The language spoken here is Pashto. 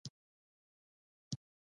په امنیتي، سیاسي او اقتصادي مسایلو خبرې وکړي